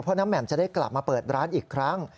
เพราะน้ำแหม่มจะได้กลับมาเปิดร้านอีกครั้ง